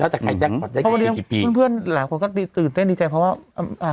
แล้วแต่ใครได้หรือลายคนก็ตื่นเต้นดีใจเพราะว่าอ่า